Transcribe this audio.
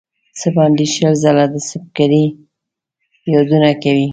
څه باندې شل ځله د سُبکري یادونه کوي.